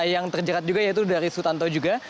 yang terjerat juga yaitu dari sutanto juga